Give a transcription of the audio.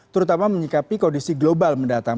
terutama menyikapi kondisi global mendatang